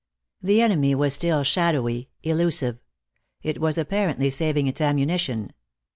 The enemy was still shadowy, elusive; it was apparently saving its ammunition.